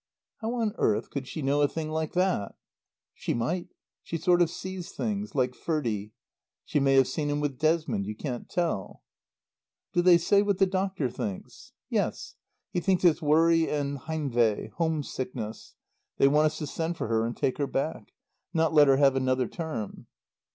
"How on earth could she know a thing like that?" "She might. She sort of sees things like Ferdie. She may have seen him with Desmond. You can't tell." "Do they say what the doctor thinks?" "Yes. He thinks it's worry and Heimweh homesickness. They want us to send for her and take her back. Not let her have another term."